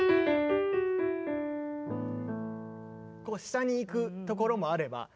こう下にいくところもあれば。